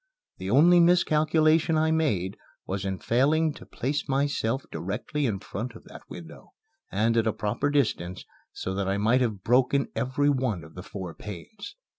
The only miscalculation I made was in failing to place myself directly in front of that window, and at a proper distance, so that I might have broken every one of the four panes.